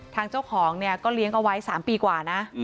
ทางเจ้าของเนี่ยก็เลี้ยงเอาไว้๓ปีกว่านะ